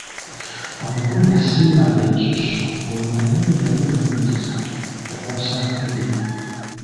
Omukulu yasiima bya nsusso olwo naye bwe yali amuddiza yakwasaako ebiri.